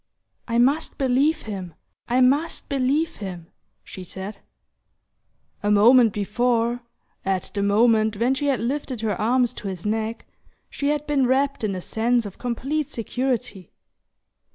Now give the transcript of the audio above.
"I must believe him! I must believe him!" she said. A moment before, at the moment when she had lifted her arms to his neck, she had been wrapped in a sense of complete security.